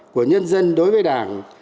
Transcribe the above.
của nhân dân đối với đảng